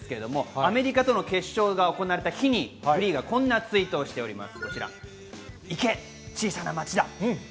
アメリカとの決勝が行われた日に、フリーがこんなツイートをしています。